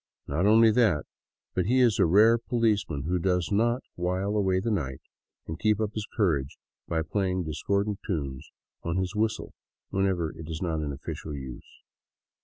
Not only that, but he is a rare policeman who does not while away the night and keep up his courage by playing discordant tunes on his whistle whenever it is not in official use.